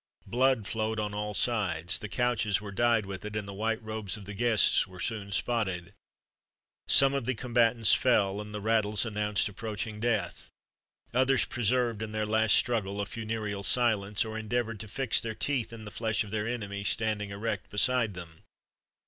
Blood flowed on all sides; the couches were dyed with it, and the white robes of the guests were soon spotted. Some of the combatants fell, and the rattles announced approaching death; others preserved, in their last struggle, a funereal silence, or endeavoured to fix their teeth in the flesh of their enemies standing erect beside them.